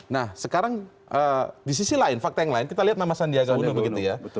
nah sekarang di sisi lain fakta yang lain kita lihat nama sandiaga uno begitu ya